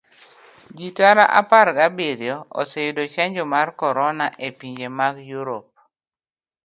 Ji tara apar gi abiriyo oseyudo chanjo mar korona epinje mag europe.